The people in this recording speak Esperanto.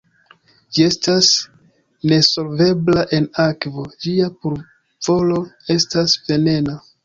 Ĝi estas nesolvebla en akvo, ĝia pulvoro estas venena.